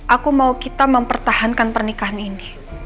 aku mau kita mempertahankan pernikahan ini